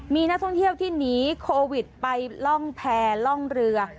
มีนักท่องเที่ยวที่หนีโควิดไปล่องแพรล่องเรือ